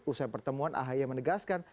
usai pertemuan ahi menegaskan